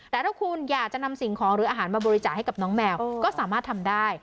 แต่ถ้าคุณอยากจะนำสิ่งของหรืออาหารมาบริจาคให้กับน้องแมวก็สามารถทำได้